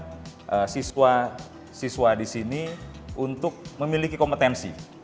mempersiapkan siswa siswa disini untuk memiliki kompetensi